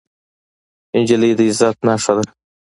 نجلۍ د عزت نښه ده.